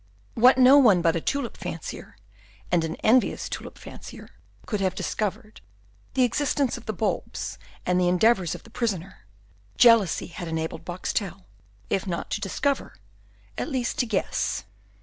What no one but a tulip fancier, and an envious tulip fancier, could have discovered, the existence of the bulbs and the endeavours of the prisoner, jealousy had enabled Boxtel, if not to discover, at least to guess.